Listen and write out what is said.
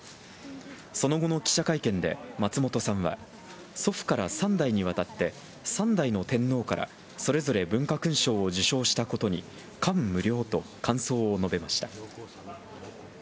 その後の記者会見で松本さんは、祖父から３代にわたって３代の天皇から、それぞれ文化勲章を受章したことに感無量と感想を述べました。